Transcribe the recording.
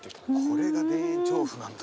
これが田園調布なんだ。